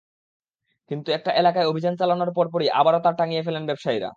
কিন্তু একটা এলাকায় অভিযান চালানোর পরপরই আবারও তার টাঙিয়ে ফেলেন ব্যবসায়ীরা।